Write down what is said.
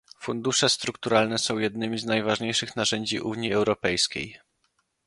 Fundusze strukturalne są jednymi z najważniejszych narzędzi Unii Europejskiej